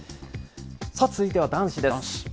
続いては男子です。